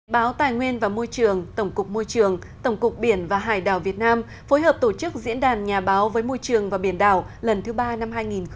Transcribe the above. báo tài nguyên và môi trường tổng cục môi trường tổng cục biển và hải đảo việt nam phối hợp tổ chức diễn đàn nhà báo với môi trường và biển đảo lần thứ ba năm hai nghìn một mươi chín